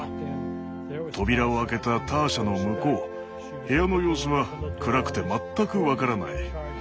扉を開けたターシャの向こう部屋の様子は暗くて全く分からない。